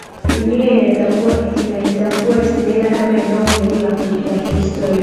dunia inaitambua isimila kama eneo muhimu la kihistoria